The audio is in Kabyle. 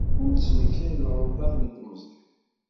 Ur d-ttmektay d lɣelṭat n temẓi-w.